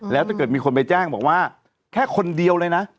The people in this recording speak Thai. แล้วถ้าเกิดมีคนไปแจ้งบอกว่าแค่คนเดียวเลยนะ